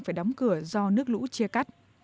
phải đóng cửa do nước lũ chia cắt